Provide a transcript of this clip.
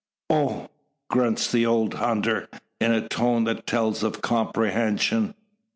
"Oh!" grunts the old hunter, in a tone that tells of comprehension.